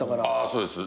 そうです。